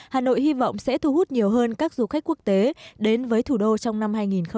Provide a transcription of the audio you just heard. hà nội hy vọng sẽ thu hút nhiều hơn các du khách quốc tế đến với thủ đô trong năm hai nghìn hai mươi